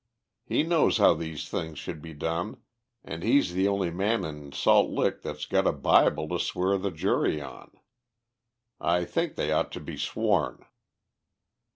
He knows how these things should be done, and he's the only man in Salt Lick that's got a Bible to swear the jury on. I think they ought to be sworn."